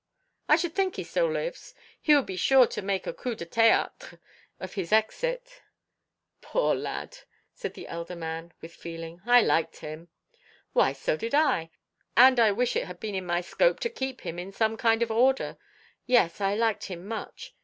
"I should think he still lives, He would be sure to make a coup de theatre of his exit." "Poor lad!" said the elder man, with feeling. "I liked him." "Why, so did I; and I wish it had been in my scope to keep him in some kind of order. Yes, I liked him much.